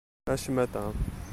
A ccmata!